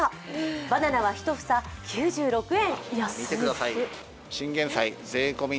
バナナは１房９６円。